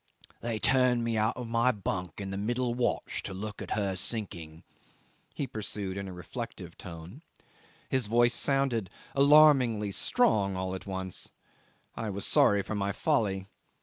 "They turned me out of my bunk in the middle watch to look at her sinking," he pursued in a reflective tone. His voice sounded alarmingly strong all at once. I was sorry for my folly.